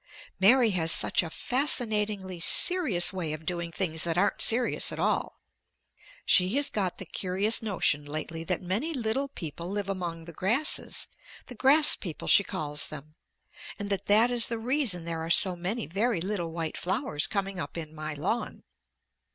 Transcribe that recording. Mary has such a fascinatingly serious way of doing things that aren't serious at all. She has got the curious notion lately that many little people live among the grasses, the grass people she calls them, and that that is the reason there are so many very little white flowers coming up in my lawn.